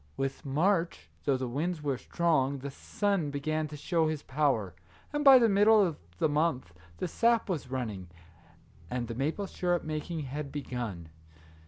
With March, though the winds were strong, the sun began to show his power, and by the middle of the month the sap was running, and the maple sugar making had begun.